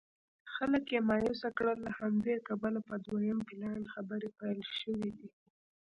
خلک یې مایوسه کړل له همدې کبله په دویم پلان خبرې پیل شوې دي.